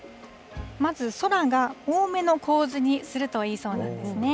まず、空が多めの構図にするといいそうなんですね。